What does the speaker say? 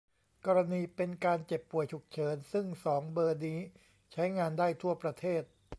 กรณีเป็นการเจ็บ ป่วย ฉุกเฉิน ซึ่ง สอง เบอร์นี้ใช้งานได้ทั่วประเทศ